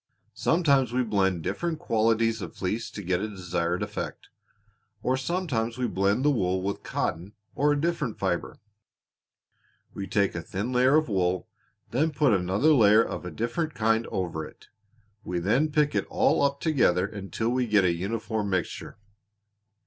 Sometimes we blend different qualities of wool to get a desired effect, or sometimes we blend the wool with cotton or a different fiber. We take a thin layer of wool, then put another layer of a different kind over it. We then pick it all up together until we get a uniform mixture."